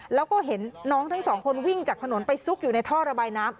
แล้วก็เห็นน้องทั้งสองคนวิ่งจากถนนไปซุกอยู่ในท่อระบายน้ำ